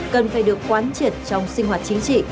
cần phải được quán triệt trong sinh hoạt chính trị